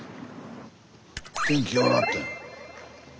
天気ようなったんや。